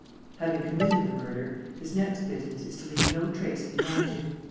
Having committed the murder, his next business is to leave no trace behind him.